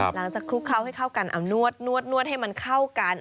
หลังจากคลุกเข้าให้เข้ากันนวดให้มันเข้ากัน